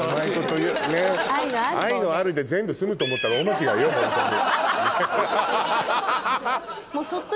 「愛のある」で全部済むと思ったら大間違いよホントに。